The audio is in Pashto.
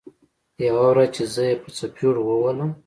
يوه ورځ چې زه يې په څپېړو ووهلم.